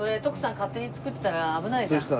勝手に作ってたら危ないじゃん。